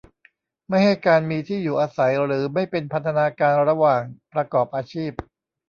ไม่ให้การมีที่อยู่อาศัยหรือไม่เป็นพันธนาการระหว่างประกอบอาชีพ